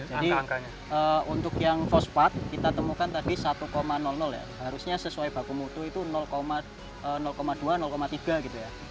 jadi untuk yang fosfat kita temukan tadi satu ya harusnya sesuai baku mutu itu dua tiga gitu ya